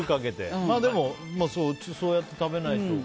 でも、そうやって食べないと。